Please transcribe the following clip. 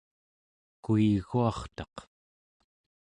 kuiguartaq